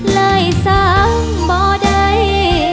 เลยซ้ำบ่ดัย